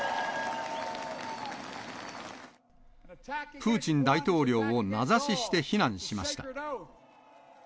プーチン大統領を名指しして非難しました。